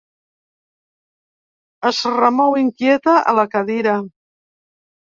Es remou inquieta a la cadira.